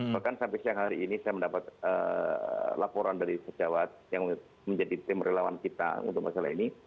bahkan sampai siang hari ini saya mendapat laporan dari pejabat yang menjadi tim relawan kita untuk masalah ini